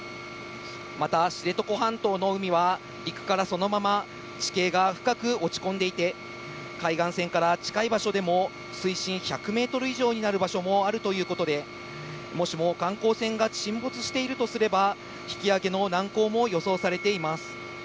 また、知床半島の海は陸からそのまま地形が深く落ち込んでいて、海岸線から近い場所でも、水深１００メートル以上になる場所もあるということで、もしも観光船が沈没しているとすれば、引き上げの難航も予想されています。